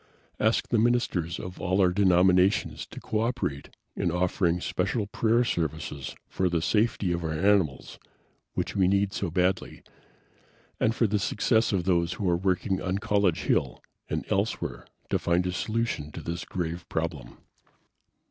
Ask the ministers of all our denominations to co operate in offering special prayer services for the safety of our animals, which we need so badly, and for the success of those who are working on College Hill and elsewhere to find a solution to this grave problem."